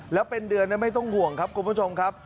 แล้วเป็นเดือนนั้นไม่ต้องห่วงครับคุณผู้ชมครับ